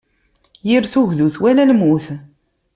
Yir tugdut wala lmut.